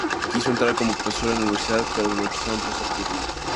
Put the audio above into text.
Quiso entrar como profesor en la universidad, pero lo rechazaron por ser judío.